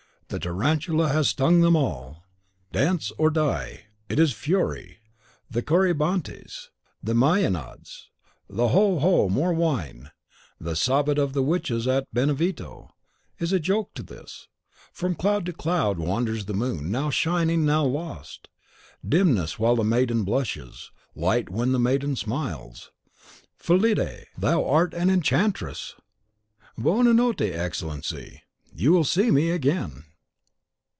the Tarantula has stung them all. Dance or die; it is fury, the Corybantes, the Maenads, the Ho, ho! more wine! the Sabbat of the Witches at Benevento is a joke to this! From cloud to cloud wanders the moon, now shining, now lost. Dimness while the maiden blushes; light when the maiden smiles. "Fillide, thou art an enchantress!" "Buona notte, Excellency; you will see me again!"